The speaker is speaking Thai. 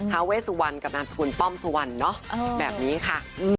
เวสุวรรณกับนามสกุลป้อมสุวรรณเนอะแบบนี้ค่ะ